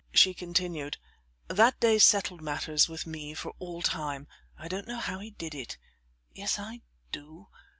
She continued: "That day settled matters with me for all time. I don't know how he did it. Yes I do...."